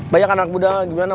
banyak anak muda gimana